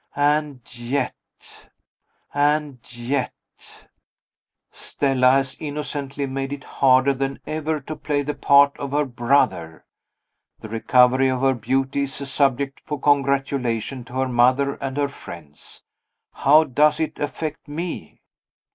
And yet and yet Stella has innocently made it harder than ever to play the part of her "brother." The recovery of her beauty is a subject for congratulation to her mother and her friends. How does it affect Me?